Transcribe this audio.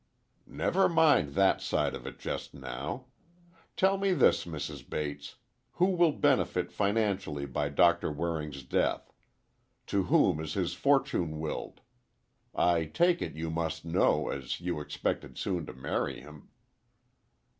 "Never mind that side of it just now. Tell me this, Mrs. Bates. Who will benefit financially by Doctor Waring's death? To whom is his fortune willed? I take it you must know, as you expected soon to marry him."